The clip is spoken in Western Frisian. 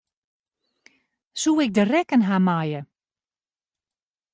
Soe ik de rekken ha meie?